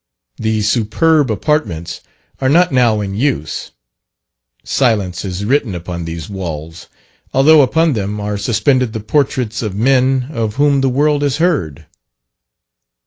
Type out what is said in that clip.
The superb apartments are not now in use. Silence is written upon these walls, although upon them are suspended the portraits of men of whom the world has heard.